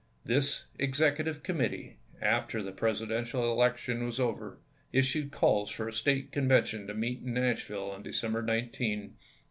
This executive committee, after the Presidential election was over, issued calls for a State Conven tion to meet in Nashville on December 19, 1864.